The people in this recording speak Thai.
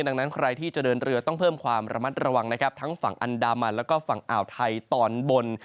ดังนั้นใครที่จะเดินเรือต้องเพิ่มความระมัดระวังนะครับทั้งฝั่งอันดามันแล้วก็ฝั่งอ่าวไทยตอนบน